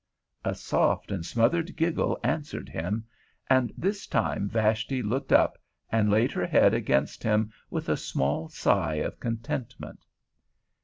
A soft and smothered giggle answered him, and this time Vashti looked up and laid her head against him with a small sigh of contentment.